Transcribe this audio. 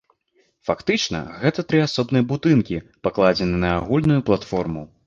Фактычна, гэта тры асобныя будынкі, пакладзеныя на агульную платформу.